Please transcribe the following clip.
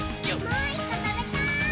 もう１こ、たべたい！